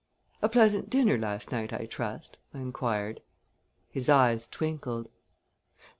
"A pleasant dinner last night, I trust?" I inquired. His eyes twinkled.